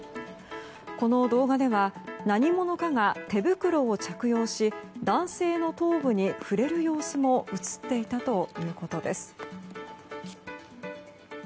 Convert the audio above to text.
この動画では何者かが手袋を着用し男性の頭部に触れる様子も映っていたということです。